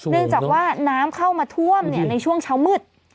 เนื่องจากว่าน้ำเข้ามาท่วมในช่วงเช้ามืด